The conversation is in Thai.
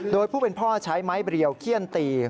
โดยผู้เป็นพ่อใช้ไม้เรียวเขี้ยนตี